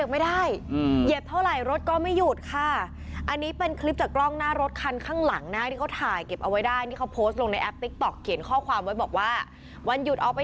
มันเมื่นเหรอเมื่นออกไป